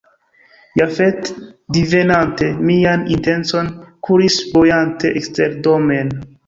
Jafet, divenante mian intencon, kuris bojante eksterdomen.